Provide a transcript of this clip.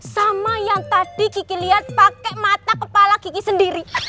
sama yang tadi kiki liat pake mata kepala kiki sendiri